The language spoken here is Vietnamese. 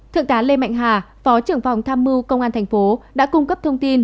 thượng tá lê mạnh hà phó trưởng phòng tham mưu công an tp đã cung cấp thông tin